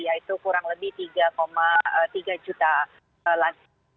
yaitu kurang lebih tiga tiga juta lansia